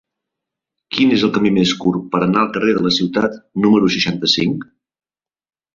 Quin és el camí més curt per anar al carrer de la Ciutat número seixanta-cinc?